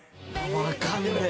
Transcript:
分かんねえ。